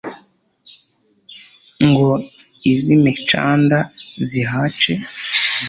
Ngo izimicanda zihace